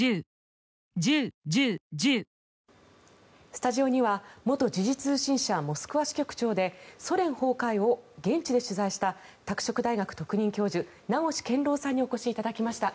スタジオには元時事通信社モスクワ支局長でソ連崩壊を現地で取材した拓殖大学特任教授名越健郎さんにお越しいただきました。